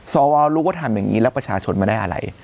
สวรู้ว่าทำอย่างนี้แล้วประชาชนมาได้อะไร